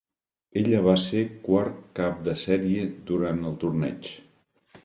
Ella va ser quart cap de sèrie durant el torneig.